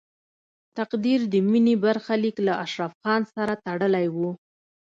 تقدیر د مینې برخلیک له اشرف خان سره تړلی و